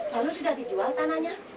lalu sudah dijual tanahnya